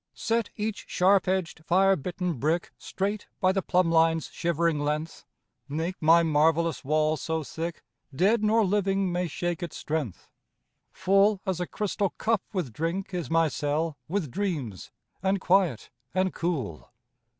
Set each sharp edged, fire bitten brick Straight by the plumb line's shivering length; Make my marvelous wall so thick Dead nor living may shake its strength. Full as a crystal cup with drink Is my cell with dreams, and quiet, and cool....